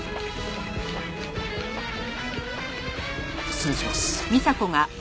失礼します。